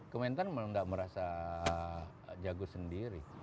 kementerian tidak merasa jago sendiri